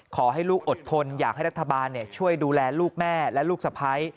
ขอให้ลูกอดทนอยากให้รัฐบาลช่วยดูแลลูกแม่และลูกสะพ้าย